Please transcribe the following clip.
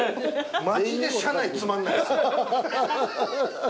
マジで車内つまんないっすよ。